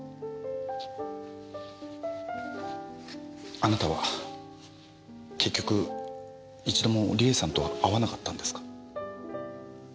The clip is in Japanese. あなたは結局一度も梨絵さんとは会わなかったんですか？